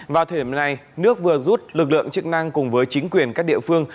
vào thời điểm này nước vừa rút lực lượng chức năng cùng với chính quyền các địa phương